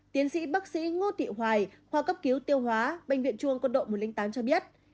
tiến sĩ bác sĩ ngô thị hoài khoa cấp cứu tiêu hóa bệnh viện chuông quân đội một trăm linh tám cho biết